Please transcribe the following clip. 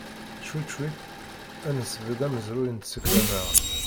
Cwiṭ cwiṭ, ad nesbedd amezruy n tsekla-nneɣ.